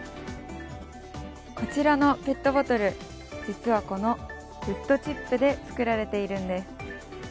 こちらのペットボトル、実はこのウッドチップで作られているんです。